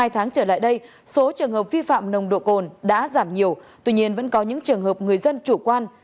hai tháng trở lại đây số trường hợp vi phạm nồng độ cồn đã giảm nhiều tuy nhiên vẫn có những trường hợp người dân chủ quan